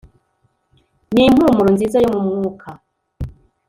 Nimpumuro nziza yo mu mwuka